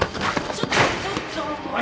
ちょっとちょっともう！